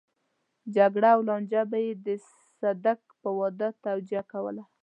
جګړه او لانجه به يې د صدک په واده توجيه کوله.